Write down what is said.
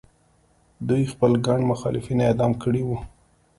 دوی خپل ګڼ مخالفین اعدام کړي وو.